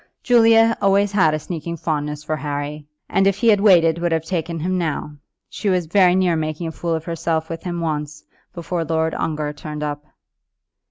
"Julia always had a sneaking fondness for Harry, and if he had waited would have taken him now. She was very near making a fool of herself with him once, before Lord Ongar turned up."